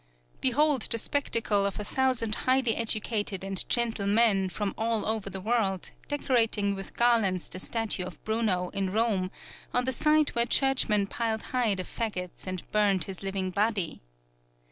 Behold the spectacle of a thousand highly educated and gentle men, from all over the world, decorating with garlands the statue of Bruno in Rome, on the site where Churchmen piled high the fagots and burned his living body!